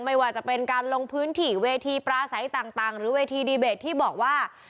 ไม่ว่าจะเป็นการลงพื้นที่เวทีปลาใสต่างหรือเวทีดีเบตที่บอกว่า